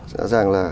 dạ dàng là